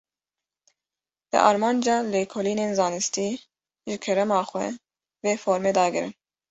Bi armanca lêkolînên zanistî, ji kerema xwe, vê formê dagirin